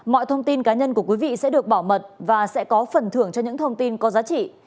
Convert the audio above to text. mọi thông tin cá nhân của quý vị sẽ được bảo mật và sẽ có phần thưởng cho những thông tin có giá trị